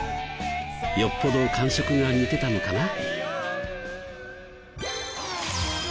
よっぽど感触が似てたのかな？